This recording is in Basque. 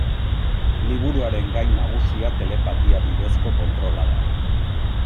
Liburuaren gai nagusia telepatia bidezko kontrola da.